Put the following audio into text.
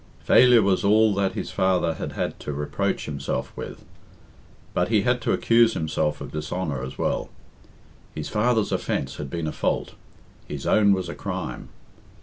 Failure was all that his father had had to reproach himself with; but he had to accuse himself of dishonour as well. His father's offence had been a fault; his own was a crime.